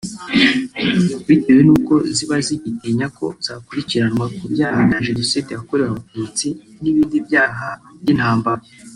bitewe n’uko ziba zigitinya ko zakurikiranwa ku byaha bya Jenoside yakorewe Abatutsi n’ibindi byaha by’intambara